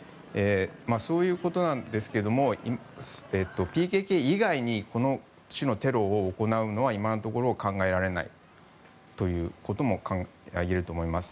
そういうことなんですがＰＫＫ以外にこの種のテロを行うのは今のところ考えられないということもいえると思います。